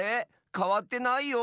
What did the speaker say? かわってないよ？